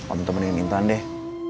om temenin intan deh